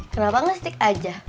kenapa nggak stik aja